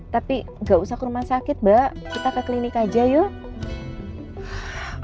tapi gak usah ke rumah sakit mbak kita ke klinik aja yuk